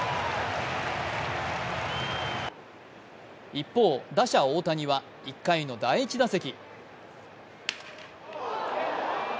一方、打者・大谷は１回の第１打席。